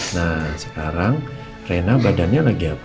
nah sekarang rena badannya lagi apa